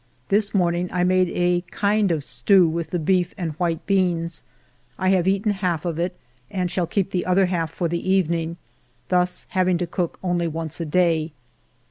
This morning I made a kind of stew with the beef and white beans ; I have eaten half of it and shall keep the other half for the evening, thus having to cook only once a day.